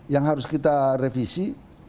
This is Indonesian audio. yang harus kita revisi